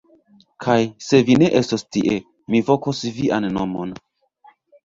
Kaj se vi ne estos tie, mi vokos vian nomon!